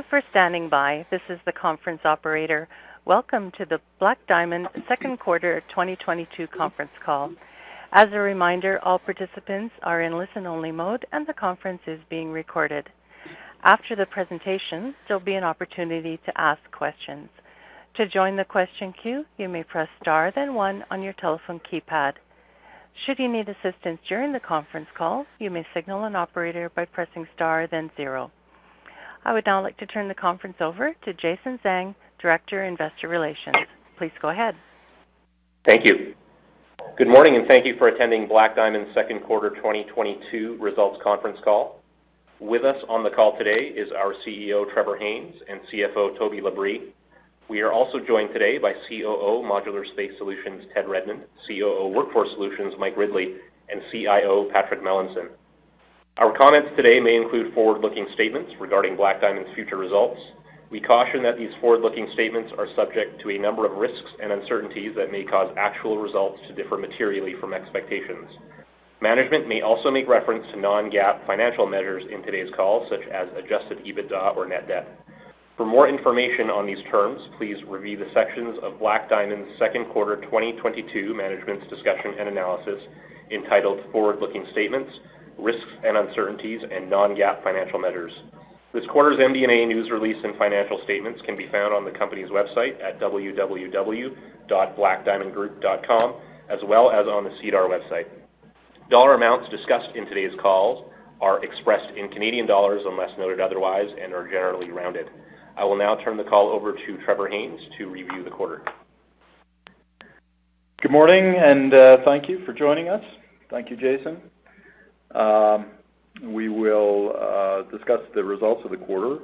Thank you for standing by. This is the conference operator. Welcome to the Black Diamond Second Quarter 2022 Conference Call. As a reminder, all participants are in listen-only mode and the conference is being recorded. After the presentation, there'll be an opportunity to ask questions. To join the question queue, you may press star then one on your telephone keypad. Should you need assistance during the conference call, you may signal an operator by pressing star then zero. I would now like to turn the conference over to Jason Zhang, Director, Investor Relations. Please go ahead. Thank you. Good morning, and thank you for attending Black Diamond second quarter 2022 results conference call. With us on the call today is our CEO, Trevor Haynes, and CFO, Toby LaBrie. We are also joined today by COO, Modular Space Solutions, Ted Redmond, COO, Workforce Solutions, Mike Ridley, and CIO, Patrick Melanson. Our comments today may include forward-looking statements regarding Black Diamond's future results. We caution that these forward-looking statements are subject to a number of risks and uncertainties that may cause actual results to differ materially from expectations. Management may also make reference to non-GAAP financial measures in today's call, such as Adjusted EBITDA or Net Debt. For more information on these terms, please review the sections of Black Diamond second quarter 2022 management's discussion and analysis entitled Forward-Looking Statements, Risks and Uncertainties, and Non-GAAP Financial Measures. This quarter's MD&A news release and financial statements can be found on the company's website at www.blackdiamondgroup.com, as well as on the SEDAR website. Dollar amounts discussed in today's call are expressed in Canadian dollars unless noted otherwise and are generally rounded. I will now turn the call over to Trevor Haynes to review the quarter. Good morning, and thank you for joining us. Thank you, Jason. We will discuss the results of the quarter,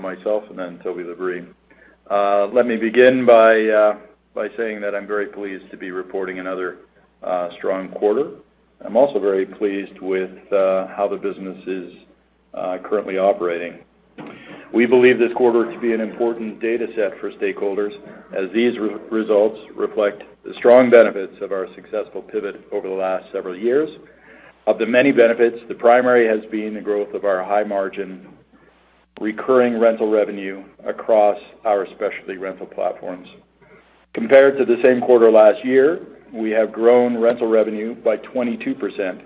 myself and then Toby LaBrie. Let me begin by saying that I'm very pleased to be reporting another strong quarter. I'm also very pleased with how the business is currently operating. We believe this quarter to be an important data set for stakeholders as these results reflect the strong benefits of our successful pivot over the last several years. Of the many benefits, the primary has been the growth of our high margin, recurring rental revenue across our specialty rental platforms. Compared to the same quarter last year, we have grown rental revenue by 22%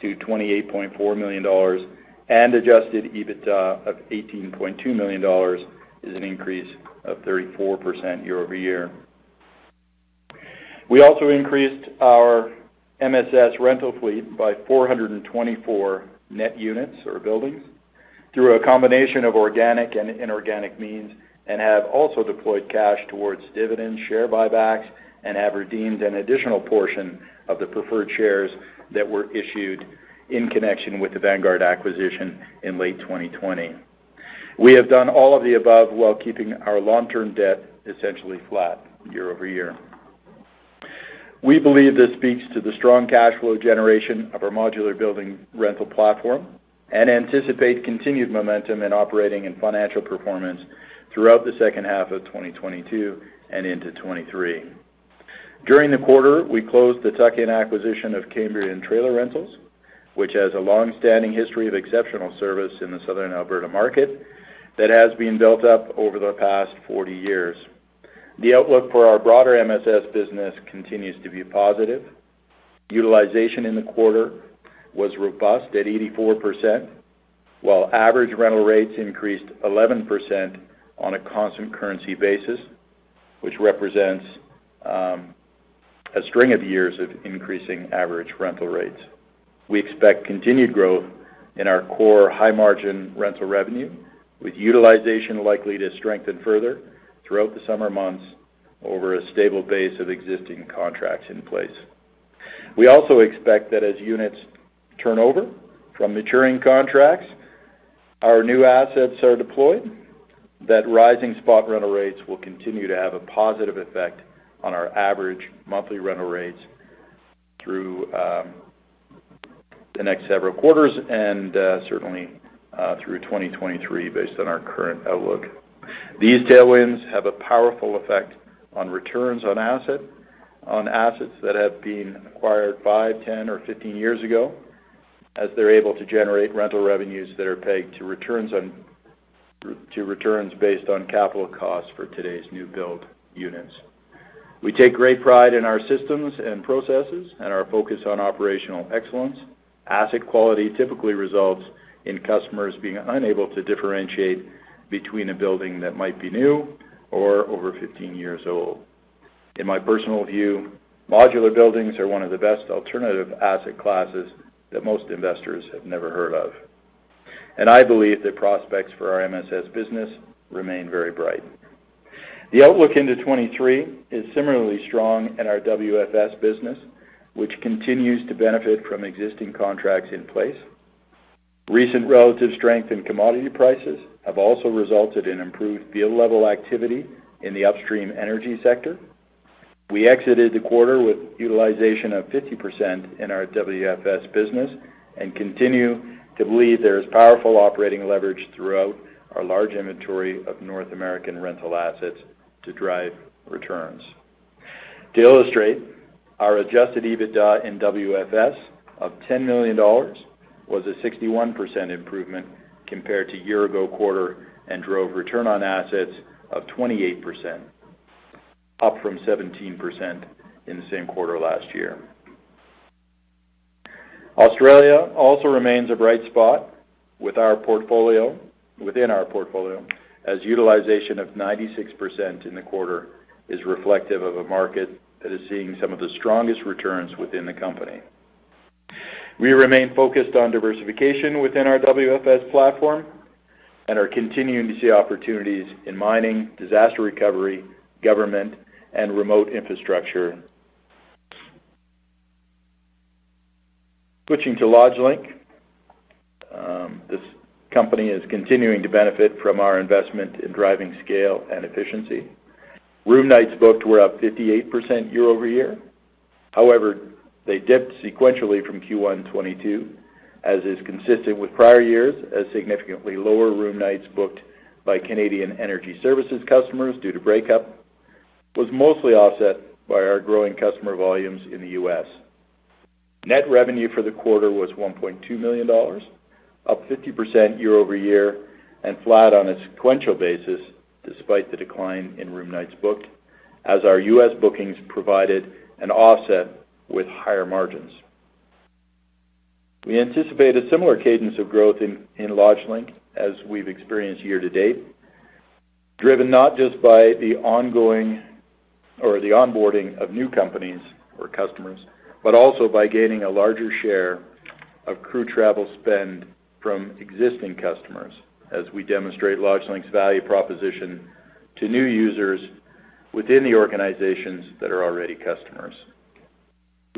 to 28.4 million dollars and Adjusted EBITDA of 18.2 million dollars is an increase of 34% year-over-year. We also increased our MSS rental fleet by 424 net units or buildings through a combination of organic and inorganic means, and have also deployed cash towards dividends, share buybacks, and have redeemed an additional portion of the preferred shares that were issued in connection with the Vanguard acquisition in late 2020. We have done all of the above while keeping our long-term debt essentially flat year-over-year. We believe this speaks to the strong cash flow generation of our modular building rental platform and anticipate continued momentum in operating and financial performance throughout the second half of 2022 and into 2023. During the quarter, we closed the tuck-in acquisition of Cambrian Trailer Rentals, which has a long-standing history of exceptional service in the Southern Alberta market that has been built up over the past 40 years. The outlook for our broader MSS business continues to be positive. Utilization in the quarter was robust at 84%, while average rental rates increased 11% on a constant currency basis, which represents a string of years of increasing average rental rates. We expect continued growth in our core high-margin rental revenue, with utilization likely to strengthen further throughout the summer months over a stable base of existing contracts in place. We also expect that as units turn over from maturing contracts, our new assets are deployed, that rising spot rental rates will continue to have a positive effect on our average monthly rental rates through the next several quarters and certainly through 2023 based on our current outlook. These tailwinds have a powerful effect on returns on assets that have been acquired five, 10, or 15 years ago, as they're able to generate rental revenues that are pegged to returns based on capital costs for today's new build units. We take great pride in our systems and processes and our focus on operational excellence. Asset quality typically results in customers being unable to differentiate between a building that might be new or over 15 years old. In my personal view, modular buildings are one of the best alternative asset classes that most investors have never heard of, and I believe the prospects for our MSS business remain very bright. The outlook into 2023 is similarly strong in our WFS business, which continues to benefit from existing contracts in place. Recent relative strength in commodity prices have also resulted in improved field-level activity in the upstream energy sector. We exited the quarter with utilization of 50% in our WFS business and continue to believe there is powerful operating leverage throughout our large inventory of North American rental assets to drive returns. To illustrate, our Adjusted EBITDA in WFS of 10 million dollars was a 61% improvement compared to year-ago quarter and drove return on assets of 28%, up from 17% in the same quarter last year. Australia also remains a bright spot with our portfolio, within our portfolio as utilization of 96% in the quarter is reflective of a market that is seeing some of the strongest returns within the company. We remain focused on diversification within our WFS platform and are continuing to see opportunities in mining, disaster recovery, government, and remote infrastructure. Switching to LodgeLink, this company is continuing to benefit from our investment in driving scale and efficiency. Room nights booked were up 58% year-over-year. However, they dipped sequentially from Q1 2022 as is consistent with prior years as significantly lower room nights booked by Canadian energy services customers due to breakup, was mostly offset by our growing customer volumes in the U.S. Net revenue for the quarter was 1.2 million dollars, up 50% year-over-year and flat on a sequential basis despite the decline in room nights booked as our U.S. Bookings provided an offset with higher margins. We anticipate a similar cadence of growth in LodgeLink as we've experienced year to date, driven not just by the ongoing onboarding of new companies or customers, but also by gaining a larger share of crew travel spend from existing customers as we demonstrate LodgeLink's value proposition to new users within the organizations that are already customers.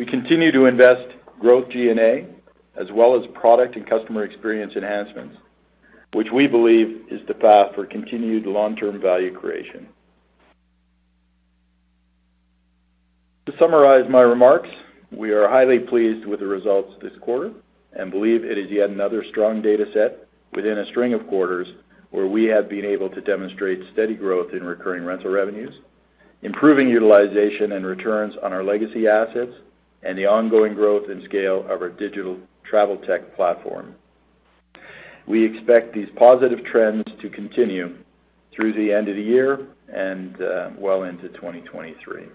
We continue to invest in growth, G&A, as well as product and customer experience enhancements, which we believe is the path for continued long-term value creation. To summarize my remarks, we are highly pleased with the results this quarter and believe it is yet another strong data set within a string of quarters where we have been able to demonstrate steady growth in recurring rental revenues, improving utilization and returns on our legacy assets, and the ongoing growth and scale of our digital travel tech platform. We expect these positive trends to continue through the end of the year and well into 2023.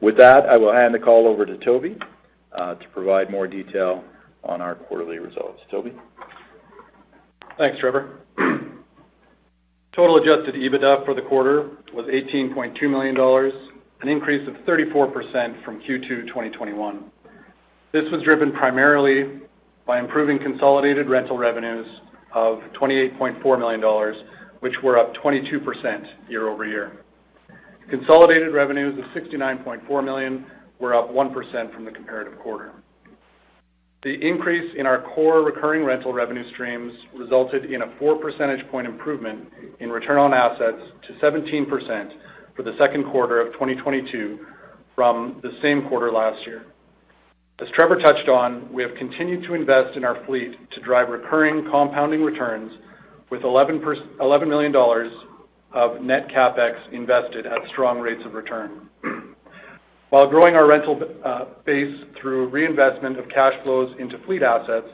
With that, I will hand the call over to Toby to provide more detail on our quarterly results. Toby? Thanks, Trevor. Total Adjusted EBITDA for the quarter was 18.2 million dollars, an increase of 34% from Q2 2021. This was driven primarily by improving consolidated rental revenues of 28.4 million dollars, which were up 22% year-over-year. Consolidated revenues of 69.4 million were up 1% from the comparative quarter. The increase in our core recurring rental revenue streams resulted in a four percentage point improvement in return on assets to 17% for the second quarter of 2022 from the same quarter last year. As Trevor touched on, we have continued to invest in our fleet to drive recurring compounding returns with 11 million dollars of net CapEx invested at strong rates of return. While growing our rental base through reinvestment of cash flows into fleet assets,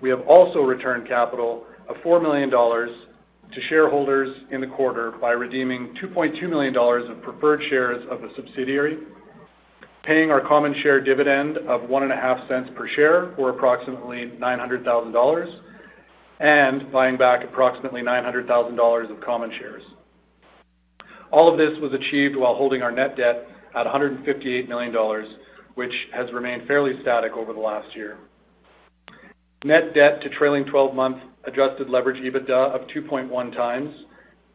we have also returned capital of 4 million dollars to shareholders in the quarter by redeeming 2.2 million dollars of preferred shares of a subsidiary, paying our common share dividend of 0.015 per share, or approximately 900,000 dollars, and buying back approximately 900,000 dollars of common shares. All of this was achieved while holding our Net Debt at 158 million dollars, which has remained fairly static over the last year. Net Debt to trailing twelve-month Adjusted Leverage EBITDA of 2.1x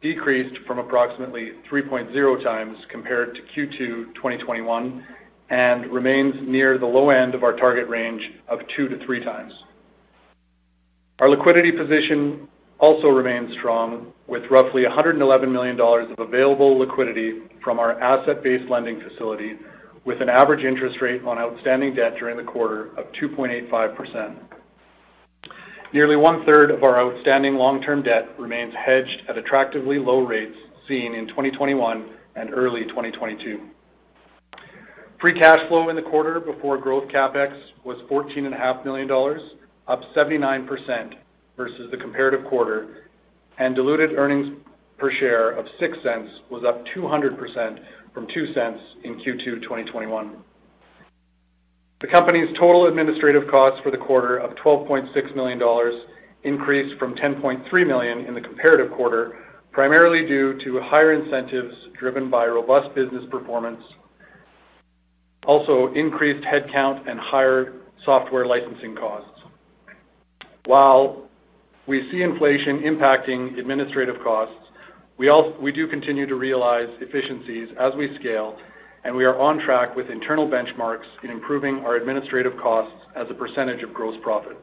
decreased from approximately 3.0x compared to Q2 2021 and remains near the low end of our target range of 2-3x. Our liquidity position also remains strong with roughly 111 million dollars of available liquidity from our asset-based lending facility, with an average interest rate on outstanding debt during the quarter of 2.85%. Nearly one-third of our outstanding long-term debt remains hedged at attractively low rates seen in 2021 and early 2022. Free cash flow in the quarter before growth CapEx was 14.5 million dollars, up 79% versus the comparative quarter, and diluted earnings per share of 0.06 was up 200% from 0.02 in Q2 2021. The company's total administrative costs for the quarter of 12.6 million dollars increased from 10.3 million in the comparative quarter, primarily due to higher incentives driven by robust business performance, also increased headcount and higher software licensing costs. While we see inflation impacting administrative costs, we do continue to realize efficiencies as we scale, and we are on track with internal benchmarks in improving our administrative costs as a percentage of gross profit.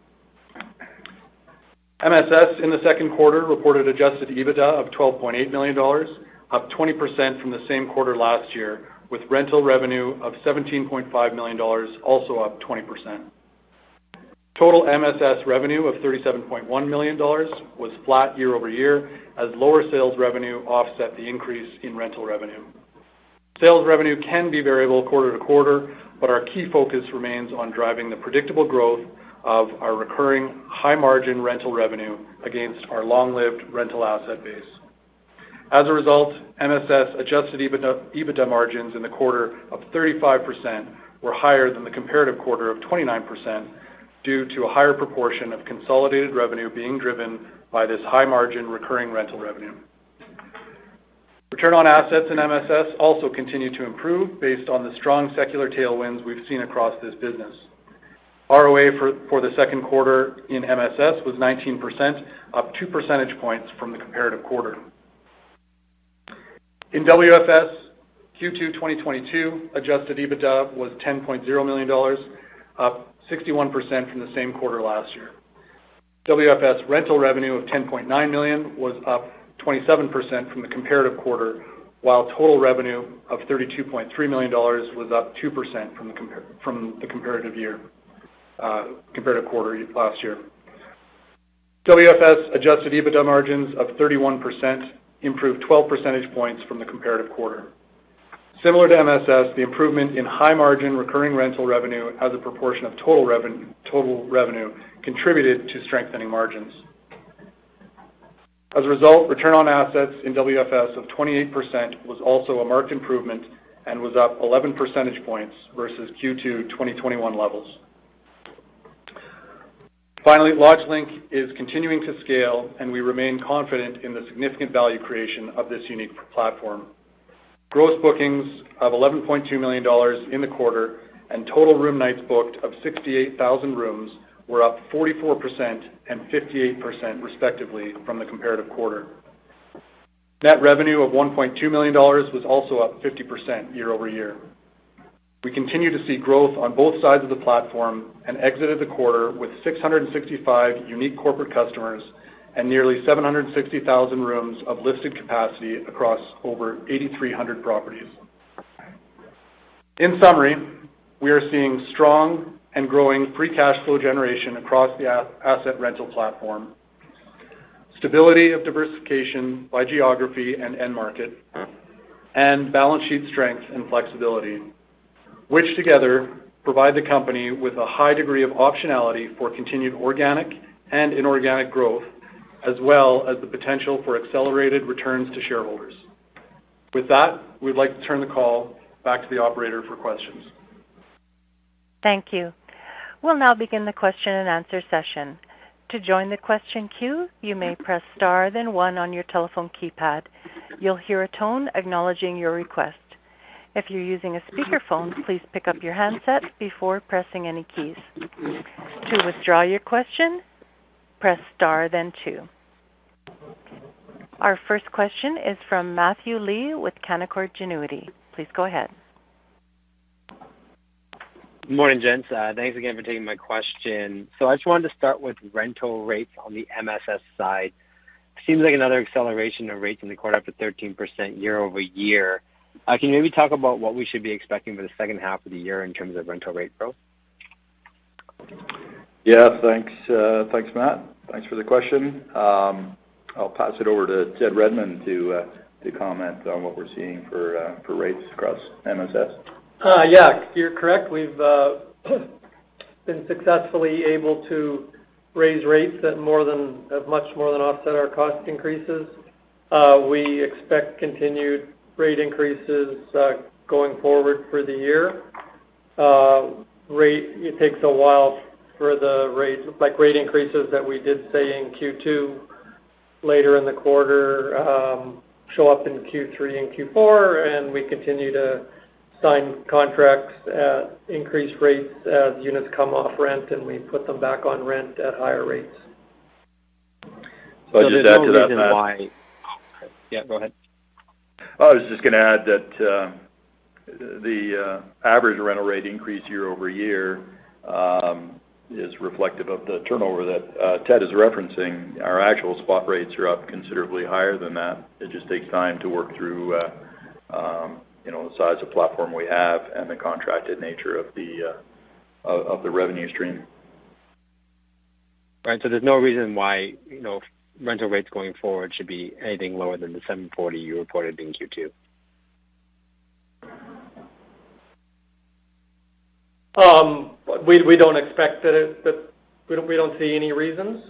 MSS in the second quarter reported Adjusted EBITDA of 12.8 million dollars, up 20% from the same quarter last year, with rental revenue of 17.5 million dollars also up 20%. Total MSS revenue of 37.1 million dollars was flat year-over-year as lower sales revenue offset the increase in rental revenue. Sales revenue can be variable quarter-to-quarter, but our key focus remains on driving the predictable growth of our recurring high margin rental revenue against our long-lived rental asset base. As a result, MSS Adjusted EBITDA margins in the quarter of 35% were higher than the comparative quarter of 29% due to a higher proportion of consolidated revenue being driven by this high margin recurring rental revenue. Return on assets in MSS also continued to improve based on the strong secular tailwinds we've seen across this business. ROA for the second quarter in MSS was 19%, up 2 percentage points from the comparative quarter. In WFS, Q2 2022 Adjusted EBITDA was 10.0 million dollars, up 61% from the same quarter last year. WFS rental revenue of 10.9 million was up 27% from the comparative quarter, while total revenue of 32.3 million dollars was up 2% from the comparative quarter last year. WFS Adjusted EBITDA margins of 31% improved 12 percentage points from the comparative quarter. Similar to MSS, the improvement in high margin recurring rental revenue as a proportion of total revenue contributed to strengthening margins. As a result, return on assets in WFS of 28% was also a marked improvement and was up 11 percentage points versus Q2 2021 levels. Finally, LodgeLink is continuing to scale, and we remain confident in the significant value creation of this unique platform. Gross bookings of 11.2 million dollars in the quarter and total room nights booked of 68,000 rooms were up 44% and 58% respectively from the comparative quarter. Net revenue of 1.2 million dollars was also up 50% year-over-year. We continue to see growth on both sides of the platform and exited the quarter with 665 unique corporate customers and nearly 760,000 rooms of listed capacity across over 8,300 properties. In summary, we are seeing strong and growing free cash flow generation across the asset rental platform, stability of diversification by geography and end market, and balance sheet strength and flexibility, which together provide the company with a high degree of optionality for continued organic and inorganic growth, as well as the potential for accelerated returns to shareholders. With that, we'd like to turn the call back to the operator for questions. Thank you. We'll now begin the question and answer session. To join the question queue, you may press Star, then one on your telephone keypad. You'll hear a tone acknowledging your request. If you're using a speakerphone, please pick up your handset before pressing any keys. To withdraw your question, press Star then two. Our first question is from Matthew Lee with Canaccord Genuity. Please go ahead. Morning, gents. Thanks again for taking my question. I just wanted to start with rental rates on the MSS side. Seems like another acceleration of rates in the quarter up to 13% year-over-year. Can you maybe talk about what we should be expecting for the H2 of the year in terms of rental rate growth? Yeah. Thanks, Matt. Thanks for the question. I'll pass it over to Ted Redmond to comment on what we're seeing for rates across MSS. Yeah, you're correct. We've been successfully able to raise rates have much more than offset our cost increases. We expect continued rate increases going forward for the year. It takes a while for the rate, like rate increases that we did say in Q2 later in the quarter, show up in Q3 and Q4, and we continue to sign contracts at increased rates as units come off rent, and we put them back on rent at higher rates. I'll just add to that, Matt- There's no reason why. Yeah, go ahead. I was just gonna add that, the average rental rate increase year-over-year is reflective of the turnover that Ted is referencing. Our actual spot rates are up considerably higher than that. It just takes time to work through, you know, the size of platform we have and the contracted nature of the revenue stream. Right. There's no reason why, you know, rental rates going forward should be anything lower than the 740 you reported in Q2. We don't expect it, but we don't see any reasons.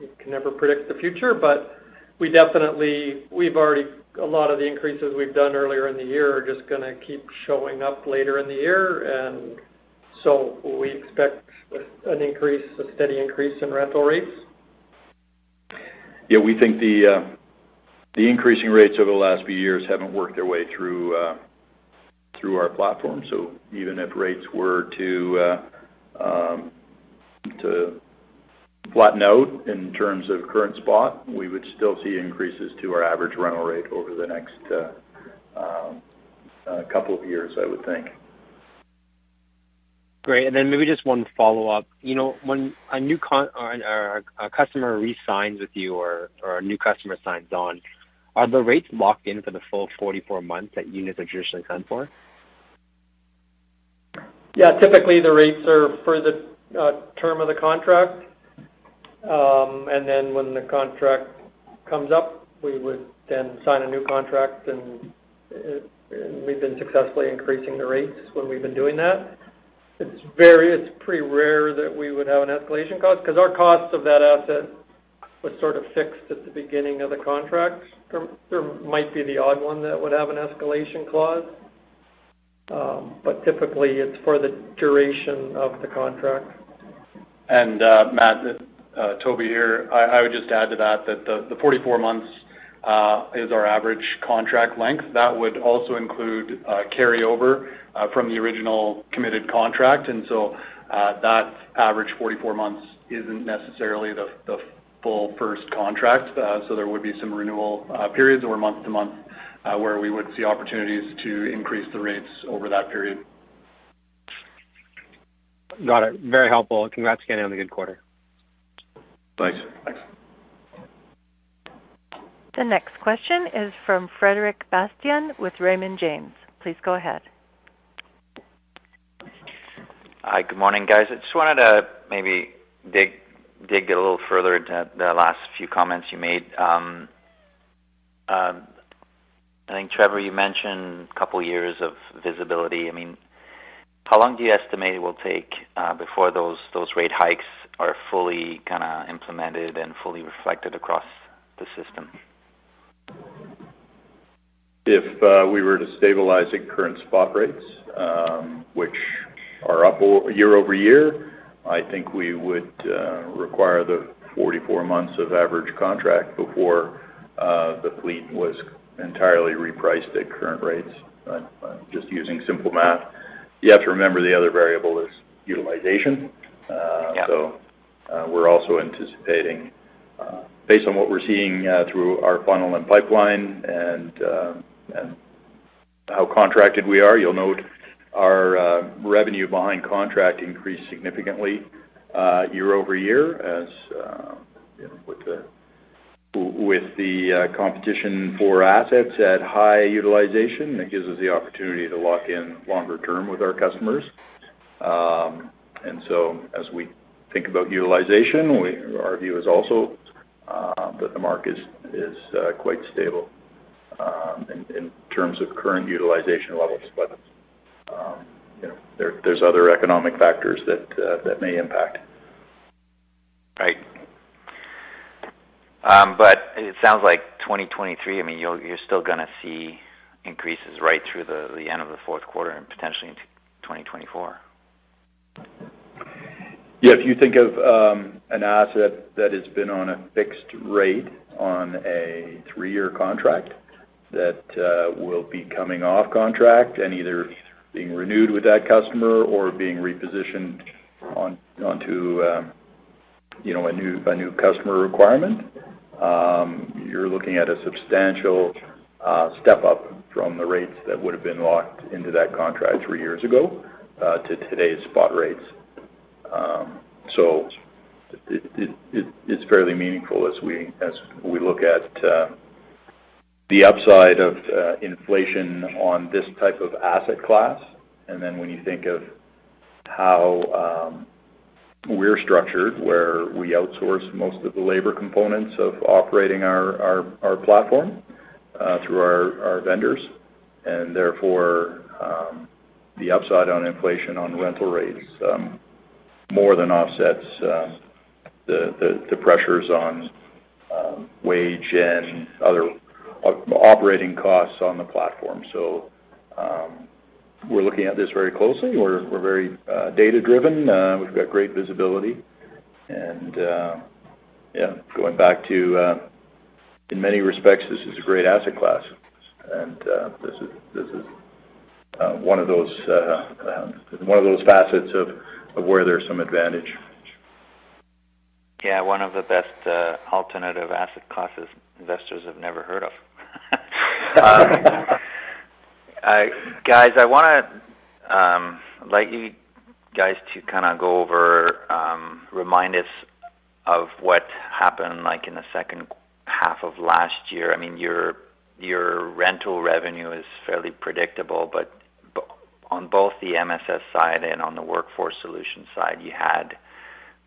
You can never predict the future, but a lot of the increases we've done earlier in the year are just gonna keep showing up later in the year. We expect an increase, a steady increase in rental rates. Yeah. We think the increasing rates over the last few years haven't worked their way through our platform. Even if rates were to flatten out in terms of current spot, we would still see increases to our average rental rate over the next couple of years, I would think. Great. Maybe just one follow-up. You know, when a new customer re-signs with you or a new customer signs on, are the rates locked in for the full 44 months that units are traditionally done for? Yeah, typically the rates are for the term of the contract. When the contract comes up, we would then sign a new contract, and we've been successfully increasing the rates when we've been doing that. It's pretty rare that we would have an escalation cost because our cost of that asset was sort of fixed at the beginning of the contract. There might be the odd one that would have an escalation clause. Typically it's for the duration of the contract. Matt, Toby here, I would just add to that the 44 months is our average contract length. That would also include carryover from the original committed contract. That average 44 months isn't necessarily the full first contract. So there would be some renewal periods or month to month where we would see opportunities to increase the rates over that period. Got it. Very helpful. Congrats again on the good quarter. Thanks. Thanks. The next question is from Frederic Bastien with Raymond James. Please go ahead. Hi. Good morning, guys. I just wanted to maybe dig a little further into the last few comments you made. I think, Trevor, you mentioned a couple of years of visibility. I mean, how long do you estimate it will take before those rate hikes are fully kinda implemented and fully reflected across the system? If we were to stabilize at current spot rates, which are up year-over-year, I think we would require the 44 months of average contract before the fleet was entirely repriced at current rates, just using simple math. You have to remember the other variable is utilization. Yeah. We're also anticipating, based on what we're seeing, through our funnel and pipeline and how contracted we are. You'll note our revenue behind contract increased significantly year-over-year as you know, with the competition for assets at high utilization. That gives us the opportunity to lock in longer term with our customers. As we think about utilization, our view is also that the market is quite stable in terms of current utilization levels. You know, there's other economic factors that may impact. Right. It sounds like 2023, I mean, you're still gonna see increases right through the end of the fourth quarter and potentially into 2024. Yeah. If you think of an asset that has been on a fixed rate on a three-year contract that will be coming off contract and either being renewed with that customer or being repositioned on to you know a new customer requirement, you're looking at a substantial step-up from the rates that would have been locked into that contract three years ago to today's spot rates. It's fairly meaningful as we look at the upside of inflation on this type of asset class. Then when you think of how we're structured, where we outsource most of the labor components of operating our platform through our vendors, and therefore the upside on inflation on rental rates more than offsets the pressures on wage and other operating costs on the platform. We're looking at this very closely. We're very data-driven. We've got great visibility. Going back to, in many respects, this is a great asset class. This is one of those facets of where there's some advantage. Yeah. One of the best alternative asset classes investors have never heard of. Guys, I want you guys to kinda go over and remind us of what happened, like, in the H2 of last year. I mean, your rental revenue is fairly predictable, but on both the MSS side and on the Workforce Solutions side, you had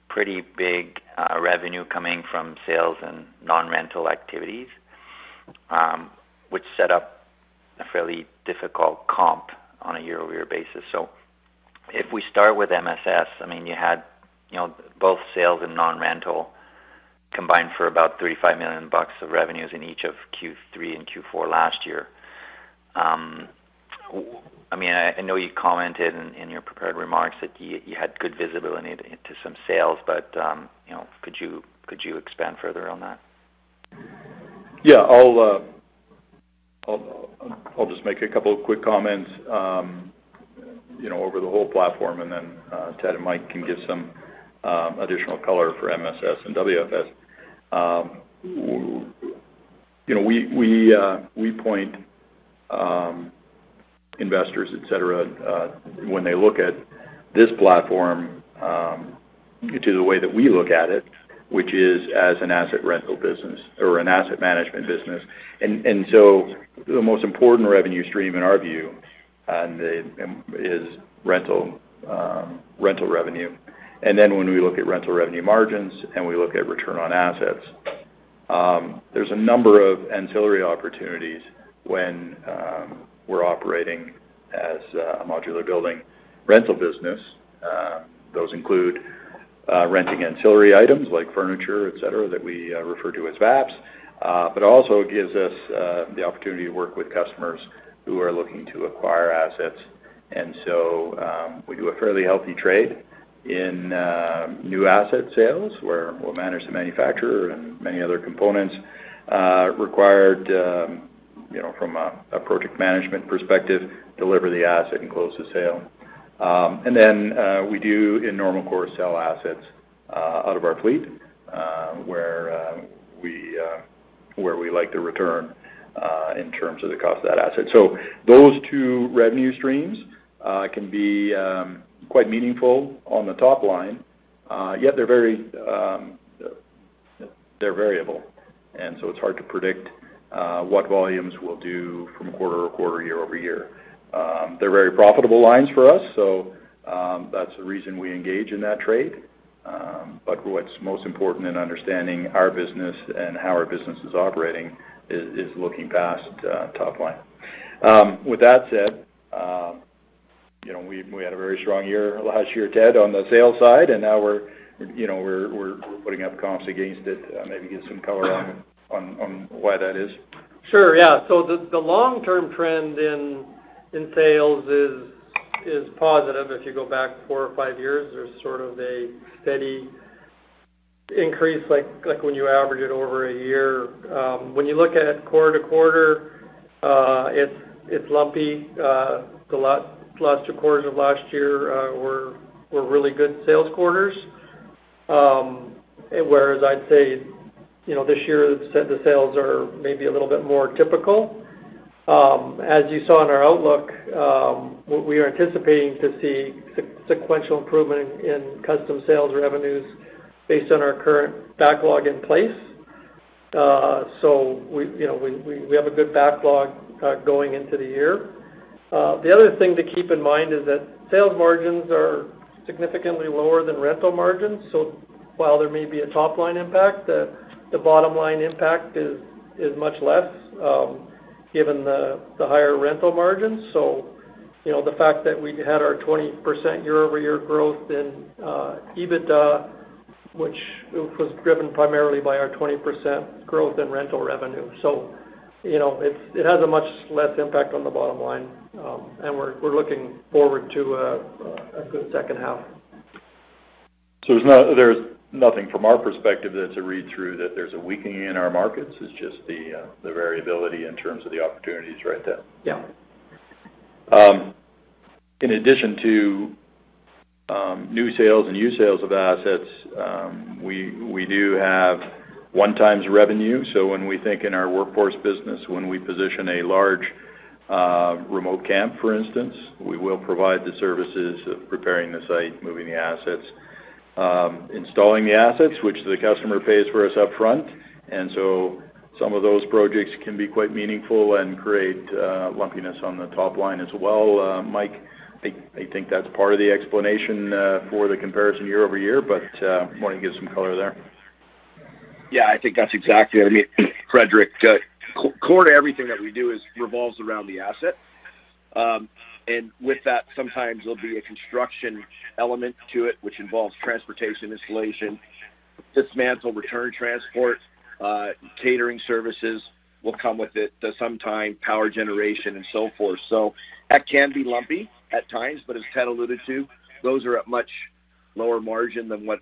pretty big revenue coming from sales and non-rental activities, which set up a fairly difficult comp on a year-over-year basis. If we start with MSS, I mean, you had, you know, both sales and non-rental combined for about 35 million bucks of revenues in each of Q3 and Q4 last year. I mean, I know you commented in your prepared remarks that you had good visibility into some sales, but you know, could you expand further on that? Yeah. I'll just make a couple of quick comments, you know, over the whole platform, and then Ted and Mike can give some additional color for MSS and WFS. You know, we point investors, et cetera, when they look at this platform to the way that we look at it, which is as an asset rental business or an asset management business. So the most important revenue stream in our view is rental revenue. Then when we look at rental revenue margins and we look at return on assets, there's a number of ancillary opportunities when we're operating as a modular building rental business. Those include renting ancillary items like furniture, etc, that we refer to as VAPS. Gives us the opportunity to work with customers who are looking to acquire assets. We do a fairly healthy trade in new asset sales where we'll manage the manufacturer and many other components required, you know, from a project management perspective, deliver the asset and close the sale. We do in normal course sell assets out of our fleet where we like the return in terms of the cost of that asset. Those two revenue streams can be quite meaningful on the top line. Yet they're very variable, and so it's hard to predict what volumes we'll do from quarter-over-quarter, year-over-year. They're very profitable lines for us, so that's the reason we engage in that trade. What's most important in understanding our business and how our business is operating is looking past top line. With that said, you know, we had a very strong year last year, Ted, on the sales side, and now we're, you know, putting up comps against it, maybe give some color on why that is. Sure, yeah. The long-term trend in sales is positive. If you go back four or five years, there's sort of a steady increase, like when you average it over a year. When you look at quarter-to-quarter, it's lumpy. The last two quarters of last year were really good sales quarters. Whereas I'd say, you know, this year the sales are maybe a little bit more typical. As you saw in our outlook, we are anticipating to see sequential improvement in custom sales revenues based on our current backlog in place. You know, we have a good backlog going into the year. The other thing to keep in mind is that sales margins are significantly lower than rental margins. While there may be a top line impact, the bottom line impact is much less, given the higher rental margins. You know, the fact that we had our 20% year-over-year growth in EBITDA, which was driven primarily by our 20% growth in rental revenue. You know, it has a much less impact on the bottom line. We're looking forward to a good second half. There's nothing from our perspective that's a read-through that there's a weakening in our markets. It's just the variability in terms of the opportunities right now. Yeah. In addition to new sales and used sales of assets, we do have one-time revenue. When we think in our workforce business, when we position a large remote camp, for instance, we will provide the services of preparing the site, moving the assets, installing the assets which the customer pays us for upfront. Some of those projects can be quite meaningful and create lumpiness on the top line as well. Mike, I think that's part of the explanation for the comparison year-over-year. Why don't you give some color there? Yeah, I think that's exactly. I mean, Frederic, core to everything that we do is revolves around the asset. And with that, sometimes there'll be a construction element to it, which involves transportation, installation, dismantle, return transport, catering services will come with it, sometimes power generation and so forth. So that can be lumpy at times, but as Ted alluded to, those are at much lower margin than what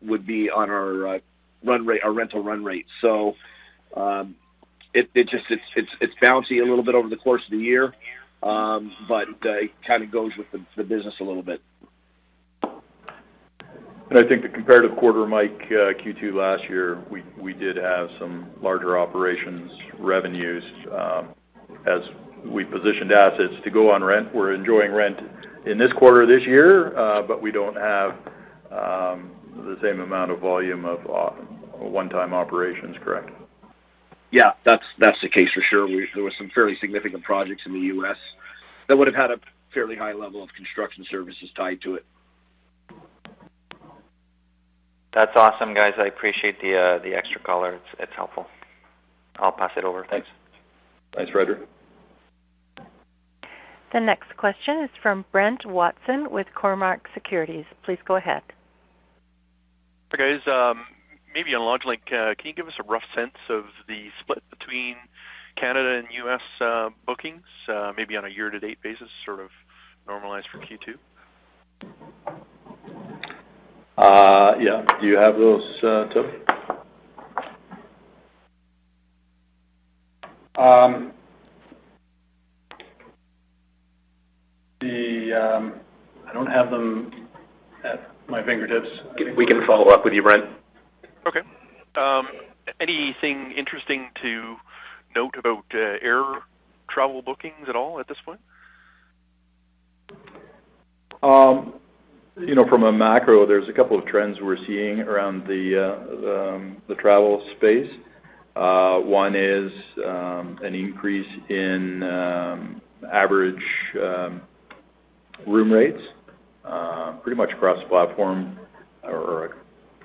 would be on our run rate, our rental run rate. So, it just is bouncy a little bit over the course of the year, but it kinda goes with the business a little bit. I think, compared to Q2 last year, Mike, we did have some larger operations revenues, as we positioned assets to go on rent. We're enjoying rent in this quarter this year, but we don't have the same amount of volume of one-time operations, correct? Yeah, that's the case for sure. There were some fairly significant projects in the US that would have had a fairly high level of construction services tied to it. That's awesome, guys. I appreciate the extra color. It's helpful. I'll pass it over. Thanks. Thanks, Frederic. The next question is from Brent Watson with Cormark Securities. Please go ahead. Hey, guys. Maybe on LodgeLink, can you give us a rough sense of the split between Canada and U.S. bookings, maybe on a year-to-date basis, sort of normalized for Q2? Yeah. Do you have those, Toby? I don't have them at my fingertips. We can follow up with you, Brent. Anything interesting to note about air travel bookings at all at this point? You know, from a macro, there's a couple of trends we're seeing around the travel space. One is an increase in average room rates pretty much across platform or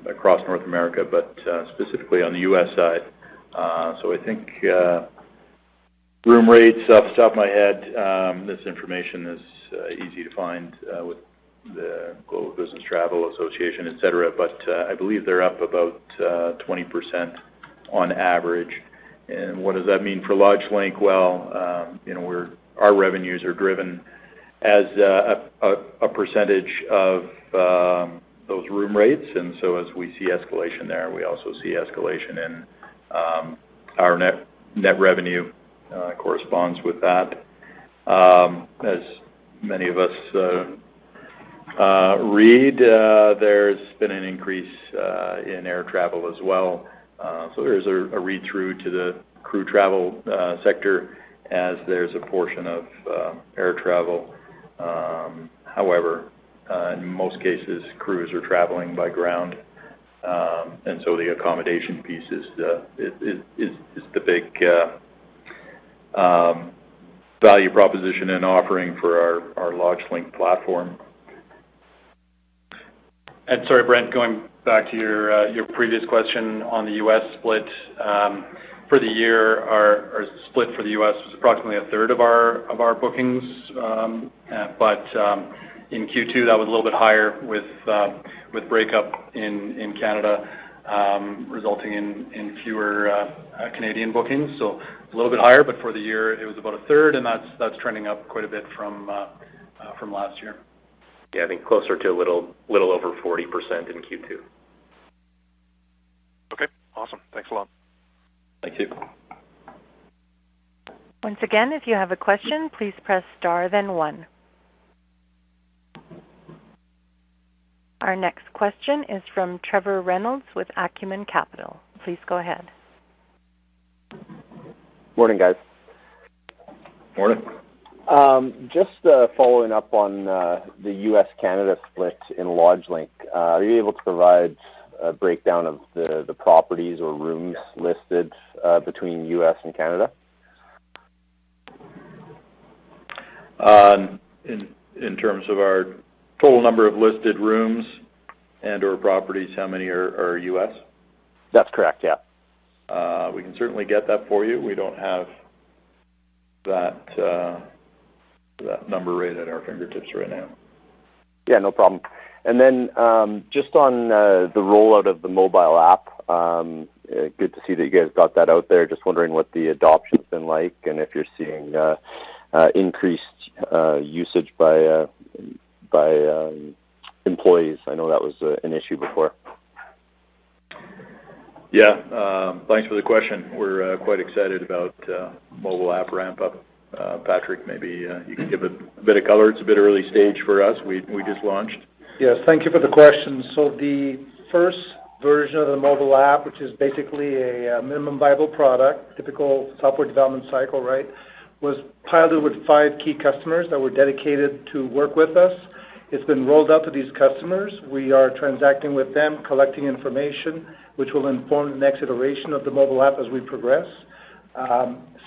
across North America, but specifically on the U.S. side. I think room rates off the top of my head, this information is easy to find with the Global Business Travel Association, et cetera. I believe they're up about 20% on average. What does that mean for LodgeLink? Well, you know, our revenues are driven as a percentage of those room rates. As we see escalation there, we also see escalation and our net revenue corresponds with that. As many of us read, there's been an increase in air travel as well. There's a read-through to the crew travel sector as there's a portion of air travel. However, in most cases, crews are traveling by ground. The accommodation piece is the big value proposition and offering for our LodgeLink platform. Sorry, Brent, going back to your previous question on the U.S. split. For the year, our split for the U.S. was approximately a third of our bookings. In Q2, that was a little bit higher with breakup in Canada resulting in fewer Canadian bookings. A little bit higher, but for the year it was about a third, and that's trending up quite a bit from last year. Yeah, I think closer to a little over 40% in Q2. Okay. Awesome. Thanks a lot. Thank you. Once again, if you have a question, please press star then one. Our next question is from Trevor Reynolds with Acumen Capital. Please go ahead. Morning, guys. Morning. Just following up on the U.S., Canada split in LodgeLink. Are you able to provide a breakdown of the properties or rooms listed between U.S. and Canada? In terms of our total number of listed rooms and/or properties, how many are U.S.? That's correct. Yeah. We can certainly get that for you. We don't have that number right at our fingertips right now. Yeah, no problem. Just on the rollout of the mobile app, good to see that you guys got that out there. Just wondering what the adoption's been like and if you're seeing increased usage by employees. I know that was an issue before. Yeah. Thanks for the question. We're quite excited about mobile app ramp up. Patrick, maybe you can give a bit of color. It's a bit early stage for us. We just launched. Yes. Thank you for the question. The first version of the mobile app, which is basically a minimum viable product, typical software development cycle, right, was piloted with five key customers that were dedicated to work with us. It's been rolled out to these customers. We are transacting with them, collecting information which will inform the next iteration of the mobile app as we progress.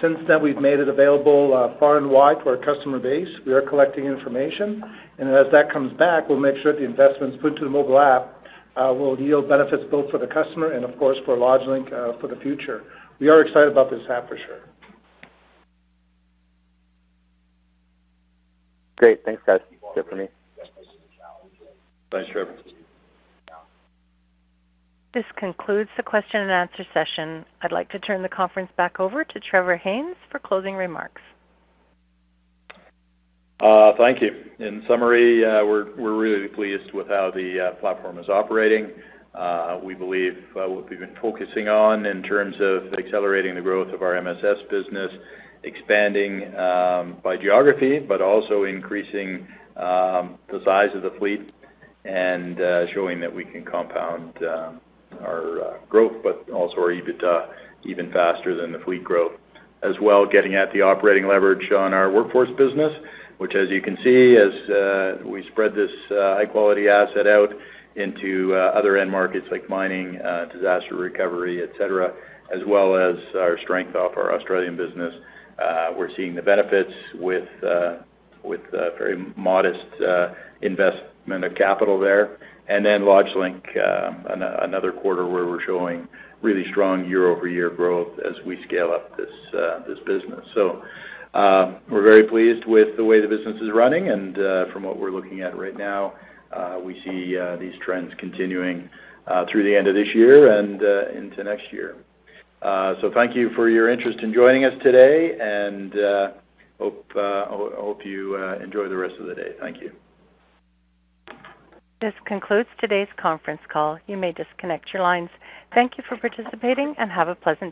Since then, we've made it available far and wide to our customer base. We are collecting information, and as that comes back, we'll make sure the investments put to the mobile app will yield benefits both for the customer and of course, for LodgeLink, for the future. We are excited about this app for sure. Great. Thanks, guys. That's it for me. Thanks, Trevor. This concludes the question and answer session. I'd like to turn the conference back over to Trevor Haynes for closing remarks. Thank you. In summary, we're really pleased with how the platform is operating. We believe what we've been focusing on in terms of accelerating the growth of our MSS business, expanding by geography, but also increasing the size of the fleet and showing that we can compound our growth, but also our EBITDA even faster than the fleet growth. As well, getting at the operating leverage on our workforce business, which, as you can see, we spread this high quality asset out into other end markets like mining, disaster recovery, et cetera, as well as our strength of our Australian business, we're seeing the benefits with very modest investment of capital there. LodgeLink, another quarter where we're showing really strong year-over-year growth as we scale up this business. We're very pleased with the way the business is running and, from what we're looking at right now, we see these trends continuing through the end of this year and into next year. Thank you for your interest in joining us today and I hope you enjoy the rest of the day. Thank you. This concludes today's conference call. You may disconnect your lines. Thank you for participating and have a pleasant day.